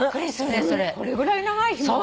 これぐらい長いひもだよ。